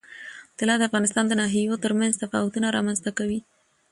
طلا د افغانستان د ناحیو ترمنځ تفاوتونه رامنځ ته کوي.